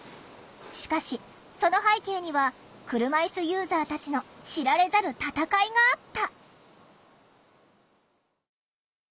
しかしその背景には車いすユーザーたちの知られざる闘いがあった。